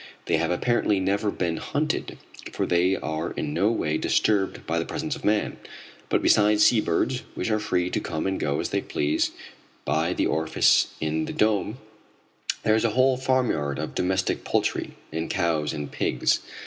They have apparently never been hunted, for they are in no way disturbed by the presence of man. But besides sea birds, which are free to come and go as they please by the orifice in the dome, there is a whole farmyard of domestic poultry, and cows and pigs.